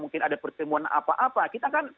mungkin ada pertemuan apa apa kita kan